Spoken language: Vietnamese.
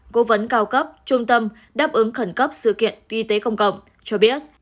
cố vấn cao cấp trung tâm đáp ứng khẩn cấp sự kiện y tế công cộng cho biết